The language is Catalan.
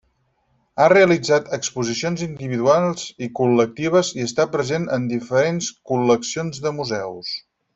Ha realitzat exposicions individuals i col·lectives i està present en diferents col·leccions de Museus.